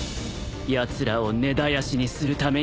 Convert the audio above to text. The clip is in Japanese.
やつらを根絶やしにするために！